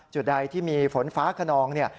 จุดใดที่มีฝนฟ้าขนองเนี่ย